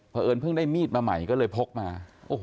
เพราะเอิญเพิ่งได้มีดมาใหม่ก็เลยพกมา